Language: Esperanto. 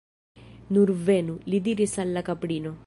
Nur venu! li diris al la kaprino.